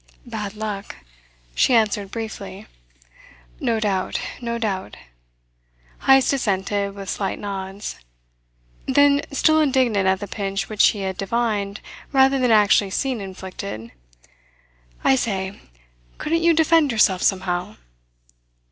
"Bad luck," she answered briefly. "No doubt, no doubt," Heyst assented with slight nods. Then, still indignant at the pinch which he had divined rather than actually seen inflicted: "I say, couldn't you defend yourself somehow?"